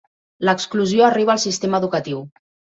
L'exclusió arriba al sistema educatiu.